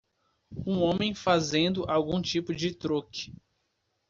Um homem fazendo algum tipo de truque.